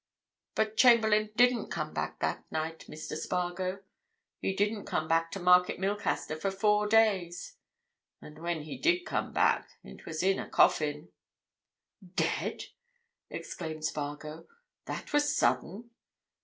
But Chamberlayne didn't come back that night, Mr. Spargo. He didn't come back to Market Milcaster for four days, and when he did come back it was in a coffin!" "Dead?" exclaimed Spargo. "That was sudden!"